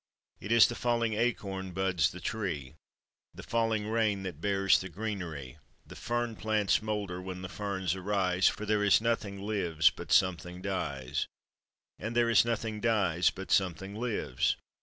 It is the falling acorn buds the tree, The falling rain that bears the greenery, The fern plants moulder when the ferns arise. For there is nothing lives but something dies, And there is nothing dies but something lives.